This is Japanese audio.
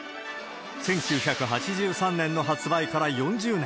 １９８３年の発売から４０年。